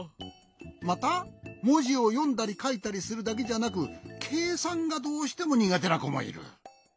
またもじをよんだりかいたりするだけじゃなくけいさんがどうしてもにがてなこもいる。